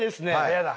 やだ。